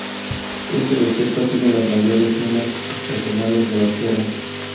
Este desierto tiene las mayores dunas estacionarias de la Tierra.